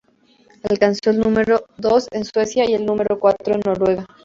Alcanzó el número dos en Suecia y el número cuatro en Noruega.